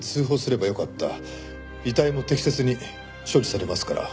遺体も適切に処理されますから。